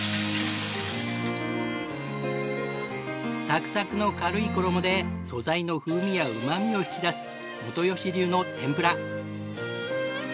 サクサクの軽い衣で素材の風味やうま味を引き出す元吉流の天ぷら。